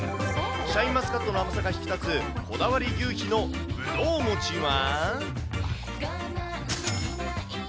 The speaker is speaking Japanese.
シャインマスカットの甘さが引き立つ、こだわり求肥のぶどう餅は。